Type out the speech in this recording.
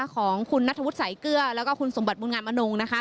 ของคุณนัทธวุฒิสายเกลือแล้วก็คุณสมบัติบุญงามอนง